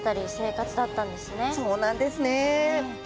そうなんですね。